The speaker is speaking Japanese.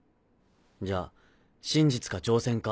じゃあ真実か挑戦か？